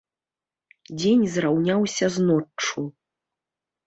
Дзень зраўняўся з ноччу.